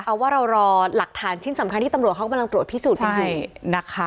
เอาว่าเรารอหลักฐานชิ้นสำคัญที่ตำรวจเขากำลังตรวจพิสูจน์กันอยู่นะคะ